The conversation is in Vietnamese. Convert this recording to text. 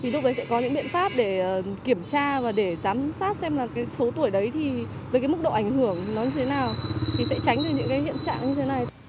đúng vậy sẽ có những biện pháp để kiểm tra và để giám sát xem là số tuổi đấy với mức độ ảnh hưởng nó như thế nào